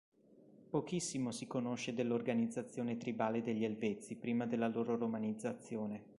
Pochissimo si conosce dell'organizzazione tribale degli Elvezi prima della loro romanizzazione.